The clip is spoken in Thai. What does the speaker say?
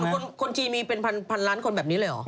เมื่อก่อนคนจีนมีเป็นพันล้านคนแบบนี้เลยหรอ